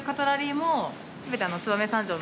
全て。